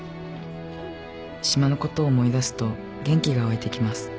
島のことを思い出すと元気がわいてきます」